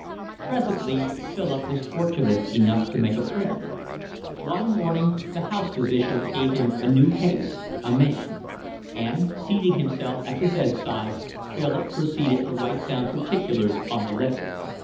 Presently Philip was fortunate enough to make a friend. One morning the house physician gave him a new case, a man; and, seating himself at the bedside, Philip proceeded to write down particulars on the 'letter.